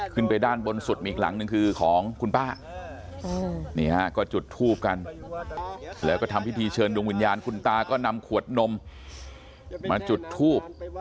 ขึ้นไปด้านบนสุดมีอีกหลังหนึ่งคือของคุณป้านี่ฮะก็จุดทูบกันแล้วก็ทำพิธีเชิญดวงวิญญาณคุณตาก็นำขวดนมมาจุดทูบ